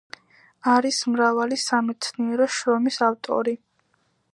არის მრავალი სამეცნიერო შრომის ავტორი.